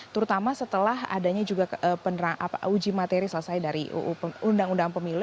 terutama setelah adanya juga uji materi selesai dari undang undang pemilu